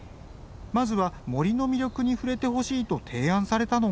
まずは森の魅力に触れてほしいと提案されたのが。